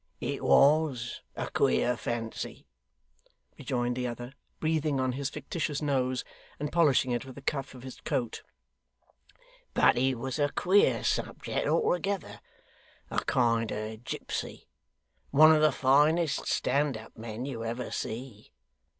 'It WAS a queer fancy,' rejoined the other, breathing on his fictitious nose, and polishing it with the cuff of his coat, 'but he was a queer subject altogether a kind of gipsy one of the finest, stand up men, you ever see.